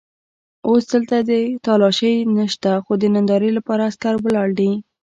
اوس دلته تالاشۍ نشته خو د نندارې لپاره عسکر ولاړ دي.